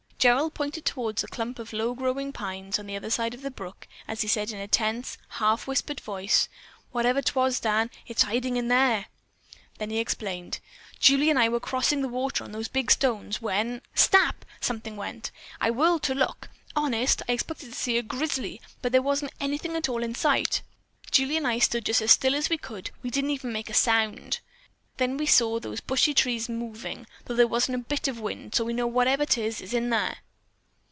Gerald pointed toward a clump of low growing pines on the other side of the brook as he said in a tense, half whispered voice: "Whatever 'twas, Dan, it's hiding in there." Then he explained: "Julie and I were crossing the water on those big stones when, snap, something went. I whirled to look. Honest, I expected to see a grizzly, but there wasn't anything at all in sight. Julie and I stood just as still as we could; we didn't even make a sound! Then we saw those bushy trees moving, though there wasn't a bit of wind, so we know whatever 'tis, it's in there."